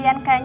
ya itu dong